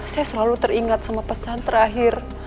saya selalu teringat sama pesan terakhir